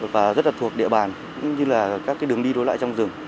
và rất là thuộc địa bàn cũng như là các cái đường đi đối lại trong rừng